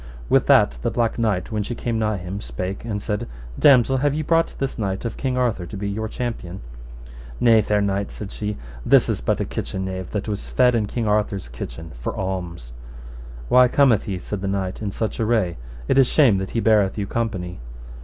With that the Black Knight, when she came nigh him, spake and said, Damosel, have ye brought this knight of King Arthur to be your champion? Nay, fair knight, said she, this is but a kitchen knave that was fed in King Arthur's kitchen for alms. Why cometh he, said the knight, in such array? it is shame that he beareth you company.